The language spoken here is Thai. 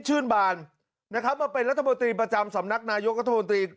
ชื่นบาลนะครับมาเป็นรัฐบาลตีประจำสำนักนายกกระทรวงวัฒนธรรมตี